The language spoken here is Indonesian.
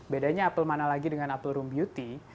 bedanya apple mana lagi dengan apple room beauty